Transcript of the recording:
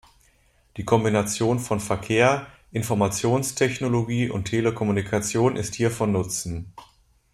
Die Kombination von Verkehr, Informationstechnologie und Telekommunikation ist hier von Nutzen.